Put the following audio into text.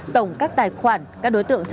tổng các tài khoản các đối tượng